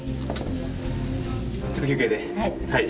はい。